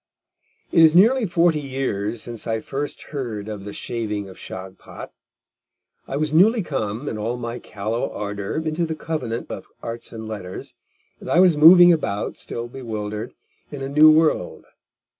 It is nearly forty years since I first heard of The Shaving of Shagpat. I was newly come, in all my callow ardour, into the covenant of Art and Letters, and I was moving about, still bewildered, in a new world.